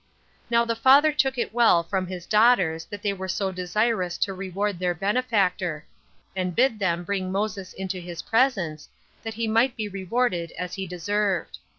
Now the father took it well from his daughters that they were so desirous to reward their benefactor; and bid them bring Moses into his presence, that he might be rewarded as he deserved.